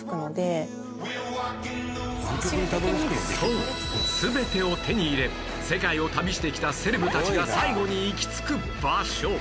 そう全てを手に入れ世界を旅してきたセレブたちが最後に行き着く場所